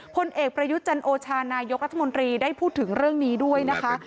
พลเอกประยุทธ์จันโอชานายกรัฐมนตรีได้พูดถึงเรื่องนี้ด้วยนะคะ